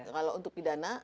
kalau untuk pidana